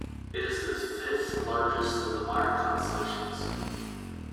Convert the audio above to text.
It is the fifth largest of the modern constellations.